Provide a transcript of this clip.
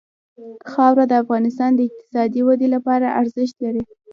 خاوره د افغانستان د اقتصادي ودې لپاره ارزښت لري.